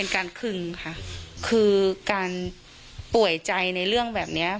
คือการป่วยใจในเรื่องแบบเนี่ย